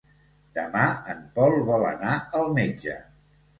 Demà en Pol vol anar al metge.